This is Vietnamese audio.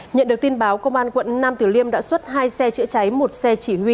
nhận được tin báo công an quận nam tử liêm đã xuất hai xe chữa cháy một xe chỉ huy